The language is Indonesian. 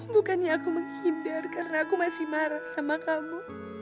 bukannya aku menghindar karena aku masih marah sama kamu